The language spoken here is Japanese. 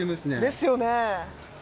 ですよね。